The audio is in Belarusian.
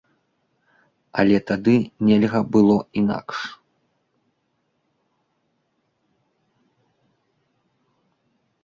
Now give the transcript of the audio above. Але тады нельга было інакш.